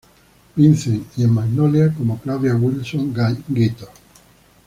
Vincent, y en "Magnolia", como Claudia Wilson Gator.